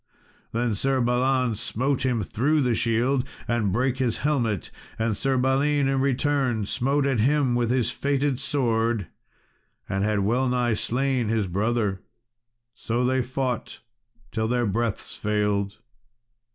Then Sir Balan smote him through the shield and brake his helmet; and Sir Balin, in return, smote at him with his fated sword, and had wellnigh slain his brother. So they fought till their breaths failed.